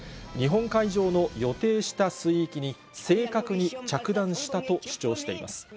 日本海上の予定した水域に、正確に着弾したと主張しています。